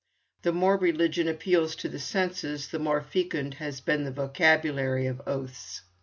The more religion appeals to the senses, the more fecund has been the vocabulary of oaths.